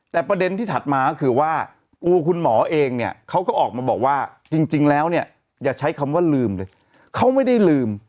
แต่ประเด็นที่ถัดมาก็คือว่าตัวคุณหมอเองเนี่ยเขาก็ออกมาบอกว่าจริงแล้วเนี่ยอย่าใช้คำว่าลืมเลยเขาไม่ได้ลืม